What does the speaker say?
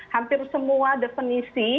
hampir semua definisi